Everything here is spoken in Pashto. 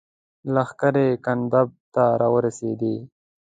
لښکرې ګنداب ته را رسېدونکي دي.